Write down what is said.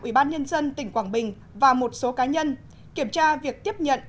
ubnd tỉnh quảng bình và một số cá nhân kiểm tra việc tiếp nhận